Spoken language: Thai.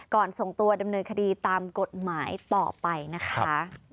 ส่งตัวดำเนินคดีตามกฎหมายต่อไปนะคะ